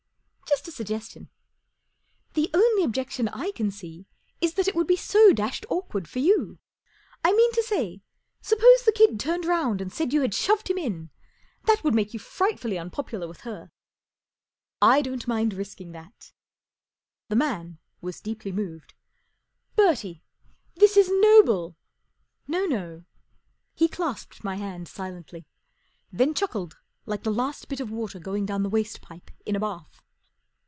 44 Just a suggestion." 44 The only objection I can see is that it would He Bfc dashdd i»vv||i^aif(| for you. I 159 P, G. Wodehouse mean to say r suppose the kid turned round and said you had shoved him in, that would make you frightfully unpopular with Her." r< I don't mind risking that/' The man was deeply moved, fi Bertie, this is noble/' " No, no/ J He clasped my hand silently, then chuckled like the last bit of water going down the waste pipe in a bath.